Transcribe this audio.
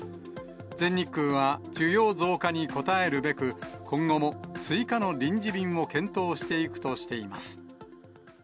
全日空は、需要増加に応えるべく、今後も追加の臨時便を検討していくとしています。